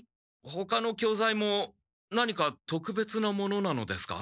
ほかの教材も何かとくべつなものなのですか？